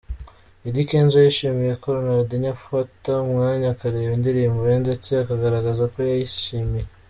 Eddy Kenzo yishimiye ko Ronaldinho afata umwanya akareba indirimbo ye ndetse akagaragaza ko yayishimiye .